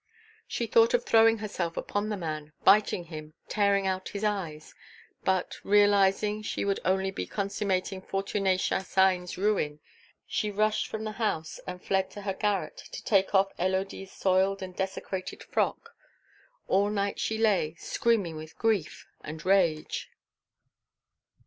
She thought of throwing herself upon the man, biting him, tearing out his eyes. But, realizing she would only be consummating Fortuné Chassagne's ruin, she rushed from the house, and fled to her garret to take off Élodie's soiled and desecrated frock. All night she lay, screaming with grief and rage.